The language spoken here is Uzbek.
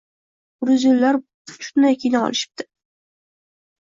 Gruzinlar shunday kino qilishipti.